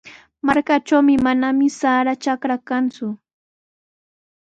Markaatrawmi manami sara trakra kanku.